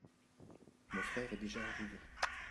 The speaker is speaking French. mon frère est déjà arrivé.